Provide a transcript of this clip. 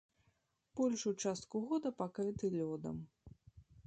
Большую частку года пакрыты лёдам.